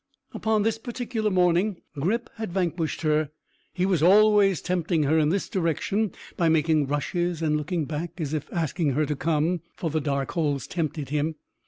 Upon this particular morning Grip had vanquished her. He was always tempting her in this direction by making rushes and looking back as if asking her to come, for the dark holes tempted him.